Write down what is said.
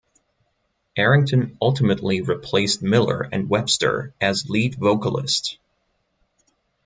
Arrington ultimately replaced Miller and Webster as lead vocalist.